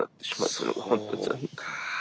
そうか。